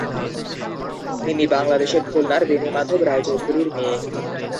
তিনি বাংলাদেশের খুলনার বেণীমাধব রায়চৌধুরীর মেয়ে।